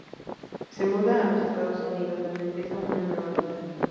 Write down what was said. Se muda a los Estados Unidos donde empieza una nueva vida.